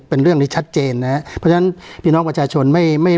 เป็นเรื่องที่ชัดเจนนะฮะเพราะฉะนั้นพี่น้องประชาชนไม่ไม่